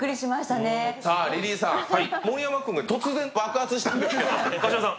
リリーさん、盛山君が突然爆発したんですけど。